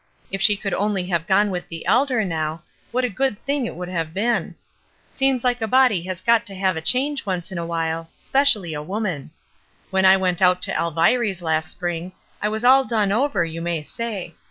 If she could only have gone with the Elder now, what a good thing it would have been ! Seems like a body has got to have a change once in a while — 'specially a woman. When I went out to Alviry's last spring, I was all done over, you may say.